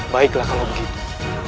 baiklah kalau begitu